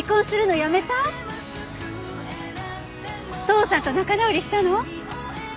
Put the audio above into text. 父さんと仲直りしたの？